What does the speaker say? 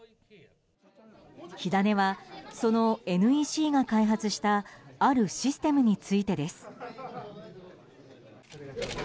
火種は、そのＮＥＣが開発したあるシステムについてです。